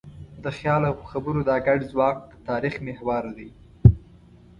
د خیال او خبرو دا ګډ ځواک د تاریخ محور دی.